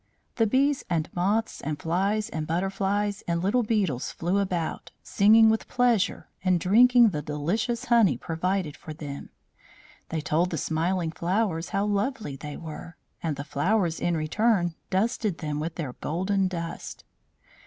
The bees and moths and flies and butterflies and little beetles flew about, singing with pleasure and drinking the delicious honey provided for them. They told the smiling flowers how lovely they were, and the flowers in return dusted them with their golden dust.